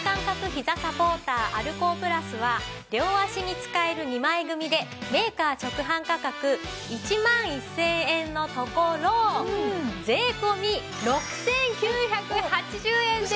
ひざサポーターアルコープラスは両脚に使える２枚組でメーカー直販価格１万１０００円のところ税込６９８０円です。